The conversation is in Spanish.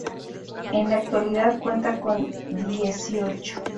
En la actualidad cuenta con dieciocho.